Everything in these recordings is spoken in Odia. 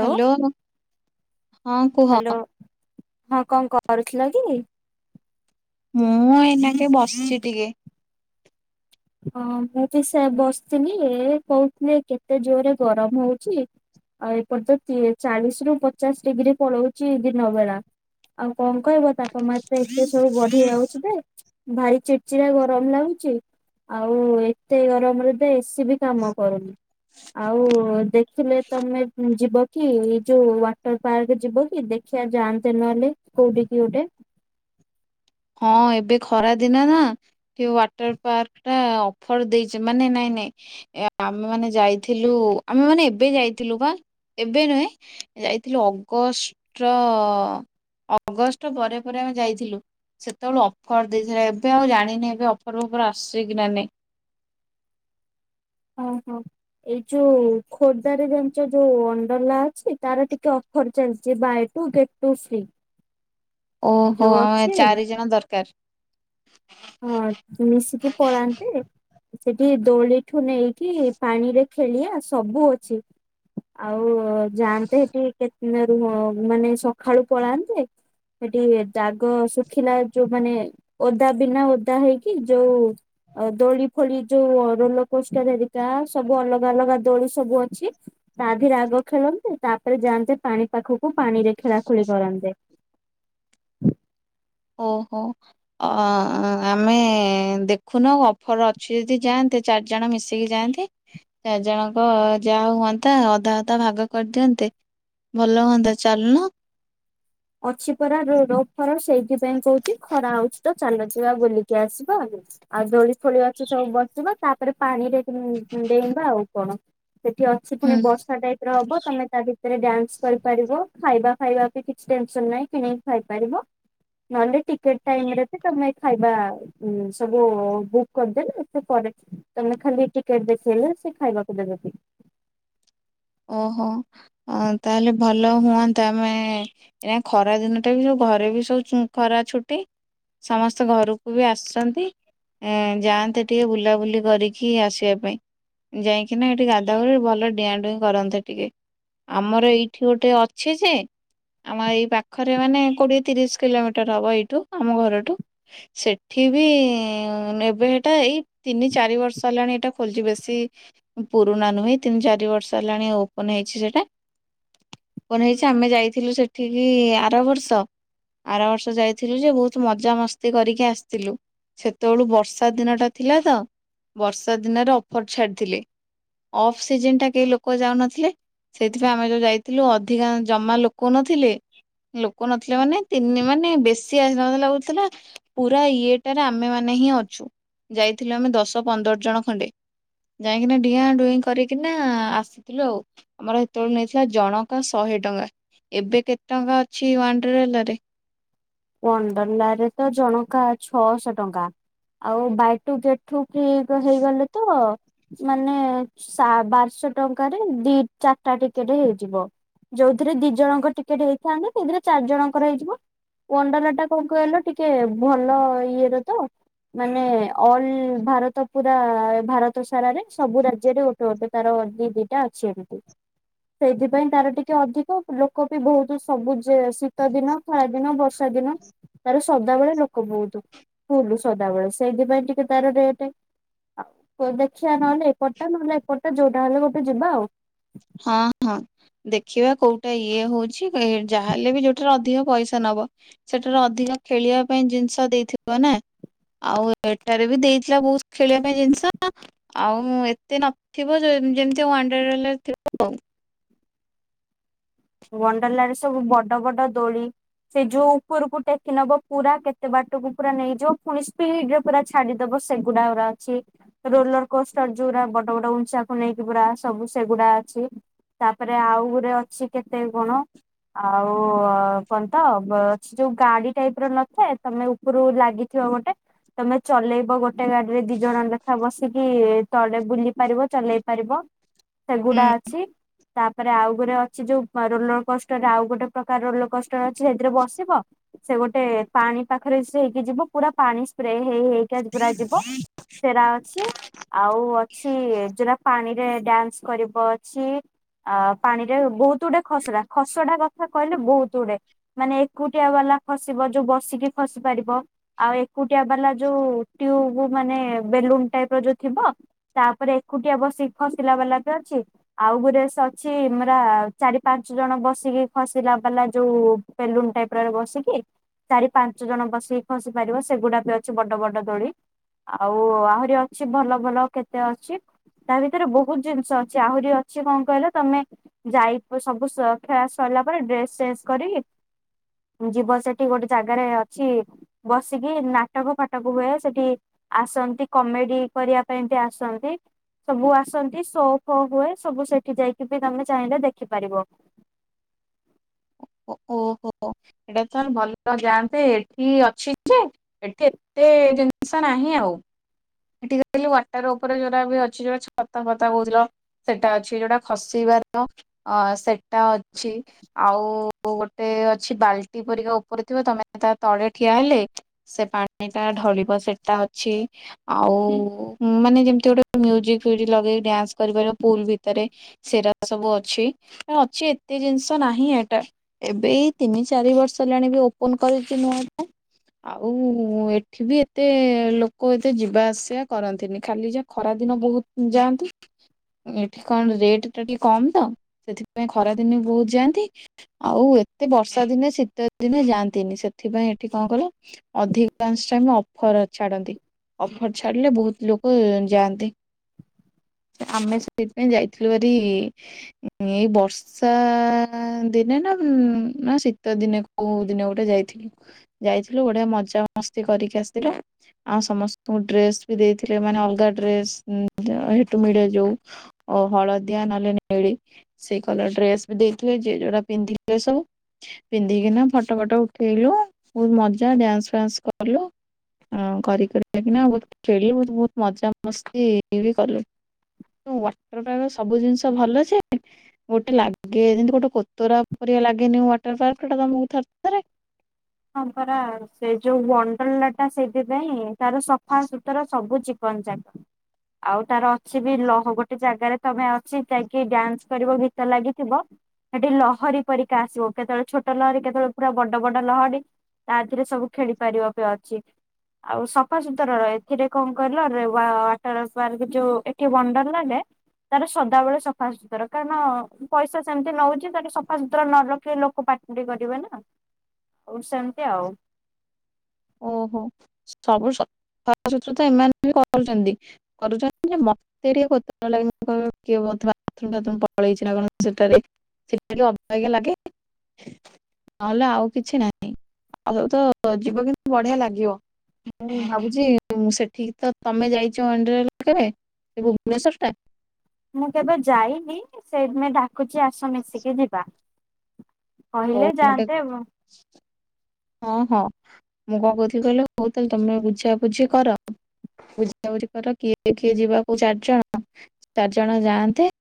ହ୍ୟାଲୋ ହଁ କୁହ। ହ୍ୟାଲୋ ହଁ କଣ କରୁଥିଲ କି? ମୁଁ ଏଇନାକେ ବସିଚି ଟିକେ। ହଁ ମୁଁ ବି ସେ ବସିଥିଲି ଏ କହୁଥିଲେ କେତେ ଜୋରେ ଗରମ ହଉଚି। ଆଉ ଏପଟେ ତ ତି ଚାଳିଶ ରୁ ପଚାଶ ଡିଗ୍ରୀ ପଳଉଚି ଦିନ ବେଳା। ଆଉ କଣ କହିବ ତାପମାତ୍ରା ଏତେ ସବୁ ବଢି ଯାଉଚି ଯେ ଭାରି ଚିଡ଼ଚିଡା ଗରମ ଲାଗୁଚି। ଆଉ ଏତେ ଗରମରେ ତେ ଏସି ବି କାମ କରୁନି। ଆଉ ଦେଖିଲେ ତମେ ଯିବ କି ଏଇ ଯୋଉ ୱାଟର ପାର୍କ ଯିବ କି ଦେଖ ଖିଆ ଜାଆନ୍ତେ ନହେଲେ କୋଉଠି କି ଗୋଟେ। ହଁ ଏବେ ଖରା ଦିନ ନା କେ ୱାଟର୍ ପାର୍କ ଟା ଅଫର୍ ଦେଇଚି ମାନେ ନାଇଁ ନାଇଁ ଆମେ ମାନେ ଯାଇଥିଲୁ ଆମେ ମାନେ ଏବେ ଯାଇଥିଲୁ ବା ଏବେ ନୁହେଁ ଯାଇଥିଲୁ ଅଗଷ୍ଟ ଅଗଷ୍ଟ ପରେ ପରେ ଆମେ ଯାଇଥିଲୁ। ସେତେବେଳଳେ ଅଫର ଦେଇଥିଲା ଏବେ ଆଉ ଜାଣିନି ଏବେ ଅଫର ଫଫର ଆସୁଛି କି ନାଇଁ। ଓହୋ ଏଇ ଯୋଉ ଖୋର୍ଦ୍ଧାରେ ଜାଣିଛ ଯୋଉ ୱାଣ୍ଡଲା ଅଛି ତାର ଟିକେ ଅଫର୍ ଚାଲିଚି buy two get two free. ଓହୋ ଚାରିଜଣ ଦରକାର। ହଁ ମିଶିକି ପଳାନ୍ତି। ସେଠି ଦୋଳିଠୁ ନେଇକି ପାଣିରେ ଖେଳିଆ ସବୁ ଅଛି। ଆଉ ଯାଆନ୍ତେ ସେଠି କେତେଦିନ ରୁହ ମାନେ ସକାଳୁ ପଳାନ୍ତେ। ସେଠି ଦାଗ ଶୁଖିଲା ଯୋଉ ମାନେ ଓଦା ବିନା ଓଦା ହେଇକି ଯୋଉ। ଆଉ ଦୋଳି ଫୋଳି ଯୋଉ ରୋଲ କୋଷ୍ଠ ଧରିକା ସବୁ ଅଲଗା ଅଲଗା ଦୋଳି ସବୁ ଅଛି। ରାଧେ ଆଗ ଖେଳନ୍ତେ ତାପରେ ଯାଆନ୍ତେ ପାଣି ପାଖକୁ ପାଣି ରେ ଖେଳାଖେଳି କରନ୍ତେ। ଓହୋ ଅ ଆମେ ଦେଖୁନ ଅଫର ଅଛି ଯଦି ଯାଆନ୍ତେ। ଚାରିଜଣ ମିଶିକି ଯାଆନ୍ତେ। ଚାରି ଜଣଙ୍କ ଯାହା ହୁଅନ୍ତା ଅଧା ଅଧା ଭାଗ କରିଦିଅନ୍ତେ। ଭଲ ହୁଅନ୍ତା ଚାଲୁନ। ଅଛି ପରା ରୋ ଅଫର ସେଇଥିପାଇଁ କହୁଛି ଖରା ହଉଛି ତ ଚାଲଯିବା ବୁଲିକି ଆସିବା ଆ। ଆ ଦୋଳି ଦୋଳି ଅଛି ସବୁ ବସିବା ତାପରେ ପାଣିରେ ଡେଇବା ଆଉ କଣ ସେଠି ଅ ସେ ହୁଁ। ପୁଣି ବର୍ଷା ଟାଇପ ର ହବ ତମେ ତା ଭିତରେ ଡ୍ୟାନ୍ସ କରିପାରିବ ଖାଇବା ଫାଇବା ବିି କିଛି ଟେନସନ ନାହିଁ କିଣିକି ଖାଇପାରିବ ନହେଲେ ଟିକେଟ ଟାଇମିରେ ବି ତମେ ଖାଇବା ଉଁ ସବୁ ବୁକ୍ କରିଦେଲେ ପରେ ତମେ ଖାଲି ଟିକେଟ ଦେଖେଇଲେ ସେ ଖାଇବାକୁ ଦେବେ। ଓହୋ ତାହେଲେ ଭଲ ହୁଅନ୍ତା ଆମେ ଏଇ ଖରା ଦିନ ଟା ବି ଘରେ ବି ଶୋଉଚୁ ଖରା ଛୁଟି। ସମସ୍ତେ ଘରକୁ ବି ଆସିଛନ୍ତି। ଏ ଯାଆନ୍ତେ ଟିକେ ବୁଲାବୁଲି କରିକି ଆସିବା ପାଇଁ। ଯାଇକି ନା ଏଠି ଗାଧା ଗାଧି ଭଲ ଡିଆଁ ଡୁଇଁ କରନ୍ତେ ଟିକେ ଆମର ଏଇଠି ଗୋଟେ ଅଛି ଯେ। ଆମ ଏଇ ପାଖରେ ମାନେ କୋଡ଼ିଏ ତିରିଶ କିଲୋମିଟର ହବ ଏଇଠୁ ଆମ ଘରଠୁ। ସେଠି ବି ନେବେ ଏଟା ଏଇ ତିନି ଚାରି ବର୍ଷ ହେଲାଣି ଏଇଟା ଖୋଲିଛି ବେଶୀ ପୁରୁଣା ନୁହେଁ ତିନି ଚାରି ବର୍ଷ ହେଲାଣି ଓପନ ହେଇଛି ସେଇଟା। ଓପନ ହେଇଛି ଆମେ ଯାଇଥିଲୁ ସେଠିକି ଆର ବର୍ଷ। ଆର ବର୍ଷ ଯାଇଥିଲୁ ଯେ ବହୁତ ମଜାମସ୍ତି କରିକି ଆସିଥିଲୁ। ସେତେବେଳୁ ବର୍ଷା ଦିନ ଟା ଥିଲା ତ ବର୍ଷା ଦିନରେ ଅଫର ଛାଡିଥିଲେ। ଅଫ୍ ସିଜନ ଟା କେହି ଲୋକ ଲୋକ ଯାଉନଥିଲେ ସେଇଥିପାଇଁ ଆମେ ଯୋଉ ଯାଇଥିଲୁ ଅଧିକା ଜମା ଲୋକ ନଥିଲେ। ଲୋକ ନଥିଲେ ମାନେ ତିନି ମାନେ ବେଶୀ ଆସି ନଥିଲେ ଲାଗୁଥିଲା ପୁରା ଇଏଟାରେ ଆମେ ମାନେ ହିଁ ଅଛୁ ଯାଇଥିଲୁ ଆମେ ଦଶ ପନ୍ଦର ଜଣ ଖଣ୍ଡେ। ଯାଇକିନା ଡିଆଁ ଡୁଇଁ କରିକିନା ଆସ ଥିଲୁ ଆଉ ଆମର ସେତେବେଳେ ନେଇଥିଲା ଜଣକା ଶହେ ଟଙ୍କା। ଏବେ କେତେ ଟଙ୍କା ଅଛି ୱାଣ୍ଡରେଲା ରେ? ୱାଣ୍ଡରେଲା ରେ ତ ଜଣକା ଛଅଶହ ଟଙ୍କା ଆଉ ବାଇ ଟୁ ଗେଟ୍ ଟୁ ଠିକ ହେଇଗଲେ ତ ମାନେ ବାରଶହ ଟଙ୍କାରେ ଦି ଚାରିଟା ଟିକେଟ ହେଇଯିବ। ଯୋଉଥିରେ ଦି ଜଣଙ୍କ ଟିକେଟ ହେଇଥାନ୍ତା ସେଇଥିରେ ଚାରି ଜଣଙ୍କର ହେଇଯିବ। ୱାଣ୍ଡ୍ରେଲା ଟା କଣ କହିଲ ଟିକେ ଭଲ ଇଏର ତ। ମାନେ ଅଲ ଭାରତ ପୁରା ଭାରତ ସାରାରେ ସବୁ ରାଜ୍ୟରେ ଗୋ ତୋଟ ତାର ଦି ଦିଟା ଅଛି ଏମିତି। ସେଇଥିପାଇଁ ତାର ଟିକେ ଅଧିକ ଲୋକ ବି ବହୁତ ସବୁ ଯେ ଶୀତ ଦିନ ଖରା ଦିନ ବର୍ଷ। ବର୍ଷା ଦିନ ତାର ସଦାବେଳେ ଲୋକ ବହୁତ। ଫୁଲୁ ସଦାବେଳେ ସେଇଥିପାଇଁ ଟିକେ ତାର ରେଟ୍। ଆଉ ଦେଖିବା ନହେଲେ ଏପଟା ନହେଲେ ଏପଟା ଯୋଉଟା ହେଲେ ଗୋଟେ ଯିବା ଆଉ। ହଁ ହଁ ଦେଖିବା କୋଉଟା ଇଏ ହଉଛି ଯାହାହେଲେ ବି ଯୋଉଠାରେ ଅଧିକ ପଇସା ନବ ସେଠାରୁ ଅଧିକ ଖେଳିବା ପାଇଁ ଜିନିଷ ଦେଇଥିବ ନା? ଆଉ ଏଠାରେ ବି ଦେଇଥିଲା ବହୁତ ଖେଳିବା ପାଇଁ ଜିନିଷ। ଆଉ ଏତେ ନଥିବ ଯେ-ଯେମତି ୱାଣ୍ଡ୍ରେରେଲା ରେ ଥିବ ଆଉ। ୱାଣ୍ଡ୍ରେଲା ରେ ସବୁ ବଡ ବଡ ଦୋଳି। ସେ ଯୋଉ ଉପରକୁ ଟେକି ନବ ପୁରା କେତେ ବାଟକୁ ପୁରା ନେଇଯିବ ପୁଣି ସ୍ପିଡରେ ପୁରା ଛାଡିଦବ ସେଗୁଡାକ ଅଛି। ରୋଲର କୋଷ୍ଟର ଯୋଉରା ବଡ ବଡ ଉଞ୍ଚାକୁ ନେଇକି ପୁରା ସବୁ ସେଗୁଡା ଅଛି। ତାପରେ ଆଉ ଗୋରେ ଅଛି କେତେ କଣ? ଆଉ କଣ ତ ଅଛି ଯୋଉ ଗାଡି ଟାଇପ ର ନଥାଏ ତମେ ଉ ପରୁ ଲାଗିଥିବ ଗୋଟେ। ତମେ ଚଲେଇବ ଗୋଟେ ଗାଡିରେ ଦି ଜଣ ଲେଖା ବସିକି ତଳେ ବୁଲି ପାରିବ ଚଲେଇ ପାରିବ। ହୁଁ ସେଗୁଡା ଅଛି ତାପରେ ଆଉ ଗୋଟେ ଅଛି ଯୋଉ ରୋଲର କଷ୍ଟରରେ ଆଉ ଗୋଟେ ପ୍ରକାର ରୋଲର କଷ୍ଟ ଅଛି ସେଥିରେ ବସିବ। ସେ ଗୋଟେ ପାଣି ପାଖରେ ସେ ହେଇକି ଯିବ ପୁରା ପାଣି ସ୍ପ୍ରେ ହେଇ ହେଇ ପୁରା ଯିବ ସେଟା ଅଛି ଆଉ ଅଛି ଯୋଉଟା ପାଣିରେ ଡ୍ୟାନ୍ସ। କରିବ ଅଛି ଆ ପାଣିରେ ବହୁତ ଗୁଡେ ଖସଡା ଖସଡା କଥା କହିଲେ ବହୁତ ଗୁଡେ ମାନେ ଏକୁଟିଆ ବାଲା ଖସିବ ଯୋଉ ବସିକି ଖସି ପାରିବ। ଆଉ ଏକୁଟିଆ ବାଲା ଯୋଉ ଟ୍ୟୁବ ମାନେ ବେଲୁନ ଟାଇପ ର ଯୋଉ ଥିବ। ତାପରେ ଏକୁଟିଆ ବସି ଖସିଲା ବାଲା ବି ଅଛି ଆଉ ଗୋଟେ ଅଛି ମରା ଚାରି ପାଞ୍ଚ ଜଣ ବସିକି ଖସିଲା ବାଲା ଯୋଉ ବେଲୁନ ଟାଇପରେ ବସିକି। ଚାରି ପାଞ୍ଚ ଜଣ ବସିକି ଖସି ପାରିବ ସେଗୁଡା ବି ଅଛି ବଡ ବଡ ଦୋଳି। ଆଉ ଆହୁରି ଅଛି ଭଲ ଭଲ କେତେ ଅଛି। ତା ଭିତରେ ବହୁତ ଜିନିଷ ଅଛି ଆହୁରି ଅଛି କଣ କହିଲ ତମେ ଯାଇ ସବୁ ଖେଳା ସରିଲା ପରେ ଡ୍ରେସ ଚେଞ୍ଜ କରିକି ଯିବ ସେଠି ଗୋଟେ ଜାଗାରେ ଅଛି ବସିକି ନାଟକ ଫାଟକ ହୁଏ ସେଠି ଆସନ୍ତି କମେଡି କରିବା ପାଇଁ ବି ଆସନ୍ତି। ସବୁ ଆସନ୍ତି ସୋ ଫୋ ହୁଏ ସବୁ ସେଠି ଯାଇକି ବି ତମେ ଚାହିଁଲେ ଦେଖିପାରିବ। ଓ ଓହୋ ଏଇଟା ଚାଲ ଭଲ ଯାଆନ୍ତେ ଏଠି ଅଛି ଯେ ଏଠି ଏତେ ଜିନିଷ ନାହିଁ ଆଉ। ଏଠିକି କହିଲି ୱାଟର ଉପରେ ଯୋଉଟା ବି ଅଛି ଯୋଉ ଛତା ଫତା କହୁଥିଲ। ସେଟା ଅଛି ଯୋଉଟା ଖସିବା ର ଅ ସେଟା ଅଛି। ଆଉ ଗୋଟେ ଅଛି ବାଲ୍ଟି ପରିକା ଉପରେ ଥିବ ତମେ ତା ତଳେ ଠିଆ ହେଲେ ସେ ପାଣି ଟା ଢଳିବ ସେଟା ଅଛି। ଆଉ ମାନେ ଯେମତି ଗୋଟେ ମ୍ୟୁଜିକ ଫ୍ୟୁଜିକ ଲଗେଇି ଡ୍ୟାନ୍ସ କରିପାରିବ ପୁଲ ଭିତରେ ସେଟା ସବୁ ଅଛି ଅଛି ଏତେ ଜିନିଷ ନାହିଁ ଏଟା ଏବେ ଏଇ ତିନି, ଚାରି ବର୍ଷ ହେଲାଣି ବି ଓପନ କରିଛି ନୂଆଟା। ଆଉ ଏଠିବି ଏତେ ଲୋକ। ଏତେ ଯିବା ଆସିବା କରନ୍ତିନି ଖାଲି ଯା ଖରା ଦିନ ବହୁତ ଯାଆନ୍ତି। ଏଠି କଣ ରେଟ ଟା ଟିକେ କମ ତ ସେଥିପାଇଁ ଖରାଦିନ ବହୁତ ଯାଆନ୍ତି। ଆଉ ଏତେ ବର୍ଷା ଦିନେ ଶୀତ ଦିନେ ଯାଆନ୍ତିନି ସେଥିପାଇଁ ଏଠି କଣ କଲ। ଅଧିକାଂଶ ଟାଇମ ଅଫର ଛାଡନ୍ତି। ଅଫର ଛାଡିଲେ ବହୁତ ଲୋକ ଯାଆନ୍ତି। ଆମେ ସେଇଥିପାଇ ଯାଇଥିଲୁ ହେରି। ଏଇ ବର୍ଷା ଦିନେ ନା ନା ଶୀତ ଦିନେ। କୋଉ ଦିନ ଗୋଟେ ଯାଇଥିଲୁ ଯାଇଥିଲୁ ବଢିଆ ମଜାମସ୍ତି କରିକି ଆସିଥିଲା ଆ ସମସ୍ତଙ୍କୁ ଡ୍ରେସ ବି ଦେଇଥିଲେ ମାନେ ଅଲଗା ଡ୍ରେସ ମି ହେଠୁ ମିଳେଯୋଉ। ଓ ହଳଦିଆ, ନାଲି, ନେଳି। ସେଇ କଲର ଡ୍ରେସ ବି ଦେଇଥିବେ ଯେ ଯୋଉଟା ପିନ୍ଧିଥିବେ ସବୁ। ପିନ୍ଧିକିନା ଫଟ, ଫଟ ଉଠେଇଲୁ ବହୁତ ମଜା ଡ୍ୟାନ୍ସ, ଫାନ୍ସ କଲୁ। ହଁ କରି କରିକିନା ବହୁତ ଖେଳିଲୁ ବହୁତ ମଜାମସ୍ତି ଇଏ ବି କଲୁ। ୱାଟର ପାର୍କରେ ସବୁ ଜିନିଷ ଭଲ ଯେ। ଗୋଟେ ଲାଗେ ଯେମିତି ଗୋଟେ କୋତରା ପରିକା ଲାଗେନି ୱାଟର ପାର୍କ ଟା ତମକୁ ଥରେ ଥରେ। ହ ପରା ସେ ଯୋଉ ୱଣ୍ଡର୍ଲା ଟା ସେଇଥିପାଇଁ ତାର ସଫାସୁତରା। ସବୁ ଚିକନ, ଚାକନ। ଆଉ ତାର ଅଛି ବି ଲହ ଗୋଟେ ଜାଗାରେ ତମେ ଅଛି ଯାଇକି ଡ୍ୟାନ୍ସ କରିବ ଗୀତ ଲାଗିଥିବ। ସେଠି ଲହରୀ ପରିକା ଆସିବ କେତେବେଳେ ଛୋଟ ଲହରୀ କେତେବେଳେ ପୁରା ବଡ ବଡ ଲହରୀ। ତା ଥିରେ ସବୁ ଖେଳି ପାରିବ ପି ଅଛି। ଆଉ ସଫାସତୁର ର ଏଥିରେ କଣ କହିଲ ରେ ୱାଟର ପାର୍କ ଯୋଉ ଏଠି ୱଣ୍ଡର୍ଲା ରେ। ତାର ସଦାବେଳେ ସଫାସୁତର କାରଣ ପଇସା ସେମିତି ନଉଛି ତାଟା ସଫାସତୁରା ନ ରଖେଇ ଲୋକ ପାଟି। ଡି ପାରିବେ ନା। ହଉ ସେମିତି ଆଉ। ଓହୋ ସବୁୁ ସ ତ ସଫାସୁତରା ଏମାନେ ବି କରୁଛନ୍ତି କରୁଛନ୍ତି ଯେ ମ୍। ମତେ ଟିକେ କୋତରା ଲାଗେ କିଏ ବାଥରୁମ୍, ପାଥରୁମ ପଳେଇଛି ନା କଣ ସେଠାରେ। ସେଟା ଅବାଗିଆ ଲାଗେ। ନହେଲେ ଆଉ କିଛି ନାହିଁ ଆଉ ତ ଯିବ କିନ୍ତୁ ବଢିଆ ଲାଗିବ। ମୁଁ ଭାବୁଛି ସେଠିକି ତ ତମେ ଯାଇଛ ଅନଡ୍ରେଲ କେବେ। ସେ ଭୁବନେଶ୍ୱର ଟା। ମୁଁ କେବେ ଯାଇନି ସେଥିପାଇଁ ଡାକୁଚି ଆସ ମିଶିକି ଯିବା। ହଉ କହିଲେ ମୁ ଟିକେ। ଯାଆନ୍ତେ ହଁ ହଁ ମୁଁ କଣ କହୁଥିଲି କହିଲ ହଉ ତାହେଲେ ତମେ ବୁଝା ବୁଝି କର। ବୁଝାବୁଝି କର କିଏ କିଏ ଯିବାକୁ ଚାରି ଜଣ ଚାରି ଜଣ ଯାଆନ୍ତେ।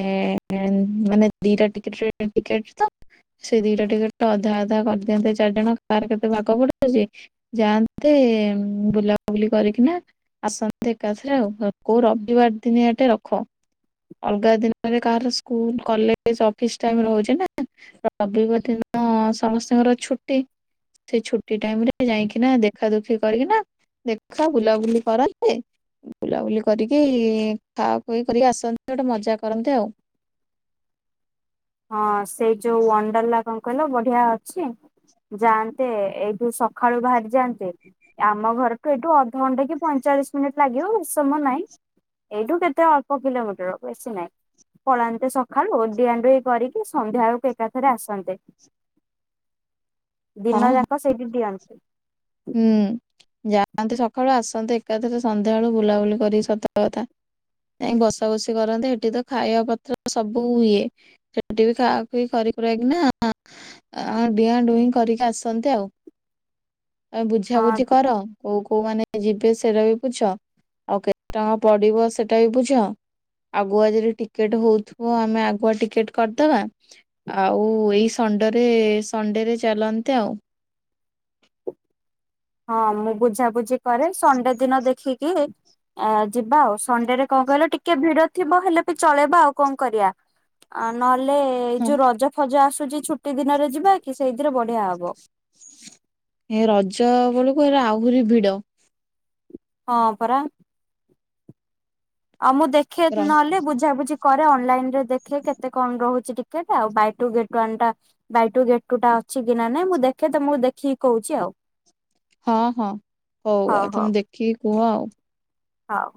ଏ ମାନେ ଦିଟା ଟିକେଟ ଟ୍ରେନ ଟିକେଟ ତ। ସେ ଦିଟା ଟିକେଟ ତ ଅଧା ଅଧା କରିଦିଅନ୍ତେ ଚାରି ଜଣ କାହାର କେତେ ଭାଗ ପଡୁଛି। ଯାଆନ୍ତେ ବୁଲାବୁଲି କରିକିନା। ଆସନ୍ତି ଏକାଥରେ ଆଉ କୋଉ ରବିବାର ଦିନିଆ ଟେ ରଖ। ଅଲଗା ଦିନରେ କାହାର ସ୍କୁଲ, କଲେଜ, ଅଫିସ ଟାଇମ ରହୁଛି ନା ରବିବାର ଦିନ। ହଁ ସମସ୍ତିଙ୍କର ଛୁଟି ସେ ଛୁଟି ଟାଇମି ରେ ଯାଇକିନା ଦେଖା ଦୁଃଖୀ କରିକିନା। ଦେଖା ବୁଲାବୁଲି କରନ୍ତେ ବୁଲାବୁଲି କରିକି ଖା ଖୁଇ କରି ଆସନ୍ତି। ଗୋଟେ ମଜା କରନ୍ତେ ଆଉ। ହଁ ସେଇ ଯୋଉ ଅଣ୍ଡରଲା କଣ କହିଲ ବଢିଆ ଅଛି। ଯାଆନ୍ତେ ଏଇଠୁ ସକାଳୁ ବାହାରି ଯାଆନ୍ତେ ଆମ ଘରଠୁ ଏଇଠୁ ଅଧଘଣ୍ଟା କି ପଇଁଚାଳିଶ ମିନିଟ୍ ଲାଗିବ ଏ ସମୟ ନାଇଁ ଏଇଠୁ କେତେ ଅଳ୍ପ କିଲୋମିଟର ବେଶୀ ନାହିଁ ପଳାନ୍ତେ ସକାଳୁ ଓ ଡିଆଣ୍ଡୁ କରିକି ସନ୍ଧ୍ୟା ବେଳକୁ ଏକାଥରେ ଆସନ୍ତେ ହଁ ଦିନ ହଁ ଯାକ ହ ସେଇଠି ଦିଅନ୍ତୁ ହୁଁ ଯାଆନ୍ତନ୍ତି ସକାଳୁ ଆସନ୍ତୁ ଏକାଥରେ ସନ୍ଧ୍ୟାବେଳୁ ବୁଲାବୁଲି କରିକି ସତ କଥା ନାଇଁ ବସା ବସି କରନ୍ତେ ସେଠି ତ ଖାଇବା ପତ୍ର ସବୁ ଈଏ ସେଠ ବି ଖା କରକି ନା ଡିଆଁ ଡୁଇଁ କରିକି ଆସନ୍ତି ଆଉ ଆ ହଁ ବୁଝାବୁଝି କର କୋଉ କୋଉ ମାନେ ଯିବେ ସେଟା ବି ବୁଝ ଆଉ କେତେ ଟଙ୍କା ପଡିବ ସେଟା ବି ବୁଝ ଆଗୁଆ ଯଦି ଟିକେଟ ହଉଥିବ ଆମେ ଆଗୁଆ ଟିକେଟ କରିଦବା ଆଉ ଏଇ ସଣ୍ଡେରେ ସଣ୍ଡେରେ ଚାଲନ୍ତେ ଆଉ ହଁ ମୁଁ ବୁଝାାବୁଝି କରେ ସଣ୍ଡେ ଦିନ ଦେଖିକି ଆ ଯିବା ଆଉ ସଣ୍ଡେରେ କଣ କହିଲ ଟିକେ ଭିଡ ଥିବ ହେଲେ ବି ଚଳେଇବା ଆଉ କଣ କରିବା ଆ ନହେଲେ ଏଇ ହଁ ଯୋଉ ରଜ ଫଜ ଆସୁଛି ଛୁଟି ଦିନରେ ଯିବା କି ସେଇଥିରେ ବଢିଆ ହବ ଏ ରଜ ବେଳକୁ ଏ ଆହୁରି ଭିଡ ହଁ ପରା ଆଉ ମୁଁ ଦେଖେ ର ନହେଲେ ବୁଝାବୁଝି କରେ ଅନଲାଇନ ରେ ଦେଖେ କେତେ କଣ ରହୁଛି ଟିକେଟ ଆଉ ବାଇ ଟୁ ଗେଟ୍ ଓ୍ୟନ୍ ଟା ବାଇ ଟୁ ଗେଟ ଟୁ ଟା ଅଛି କି ନା ନାଇଁ ମୁଁ ଦେଖେ ତମକୁ ଦେଖିକି କହୁଛି ଆଉ ହଁ ହଁ ହଉ ଆଉ ତମେ ଦେଖିକି କୁହ ଆଉ ହଉ।